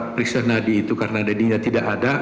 periksa nadi itu karena nadinya tidak ada